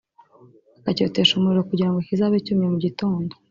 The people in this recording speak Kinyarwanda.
akacyotesha umuriro kugira ngo kizabe cyumye mu gitondo